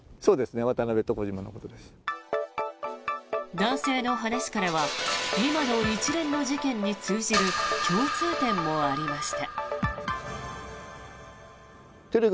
男性の話からは今の一連の事件に通じる共通点もありました。